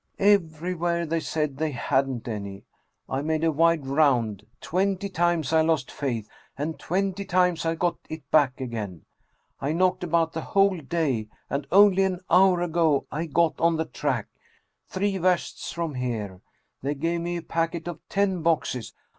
Everywhere they said they hadn't any. I made a wide round. Twenty times I lost faith, and twenty times I got it back again. I knocked about the whole day, and only an hour ago I got on the track. Three versts from here. They gave me a packet of ten boxes.